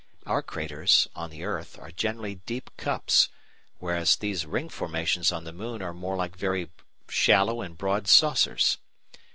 Our craters, on the earth, are generally deep cups, whereas these ring formations on the moon are more like very shallow and broad saucers.